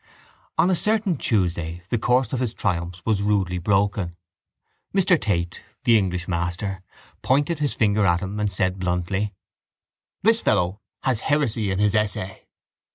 On a certain Tuesday the course of his triumphs was rudely broken. Mr Tate, the English master, pointed his finger at him and said bluntly: —This fellow has heresy in his essay.